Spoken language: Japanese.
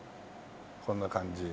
こんな感じ。